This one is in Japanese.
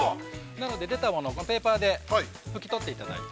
なので、出たものをペーパーで拭き取っていただいて。